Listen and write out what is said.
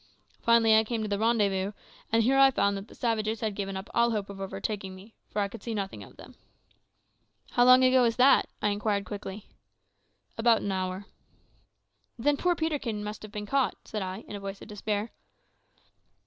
Finally I came to the rendezvous, and here I found that the savages had given up all hope of overtaking me, for I could see nothing of them." "How long ago is that?" I inquired quickly. "About an hour." "Then poor Peterkin must have been caught," said I, in a voice of despair.